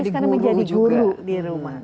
tapi dia sekarang menjadi guru di rumah